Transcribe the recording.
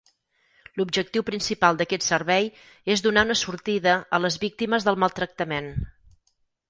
L'objectiu principal d'aquest servei és donar una sortida a les víctimes del maltractament.